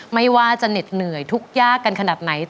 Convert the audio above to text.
ไม่ว่าจะเหน็ดเหนื่อยทุกข์ยากกันขนาดไหน